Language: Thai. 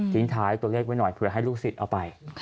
ท้ายตัวเลขไว้หน่อยเผื่อให้ลูกศิษย์เอาไป